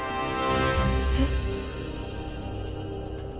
えっ？